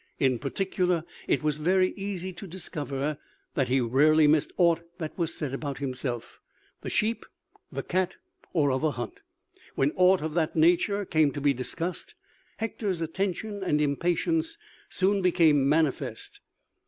In particular, it was very easy to discover that he rarely missed aught that was said about himself, the sheep, the cat, or of a hunt. When aught of that nature came to be discussed, Hector's attention and impatience soon became manifest.